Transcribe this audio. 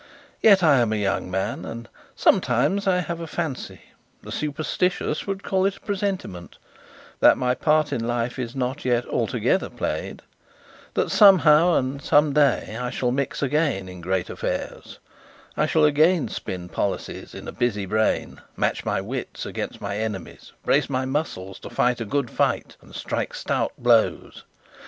Yet I am a young man; and sometimes I have a fancy the superstitious would call it a presentiment that my part in life is not yet altogether played; that, somehow and some day, I shall mix again in great affairs, I shall again spin policies in a busy brain, match my wits against my enemies', brace my muscles to fight a good fight and strike stout blows.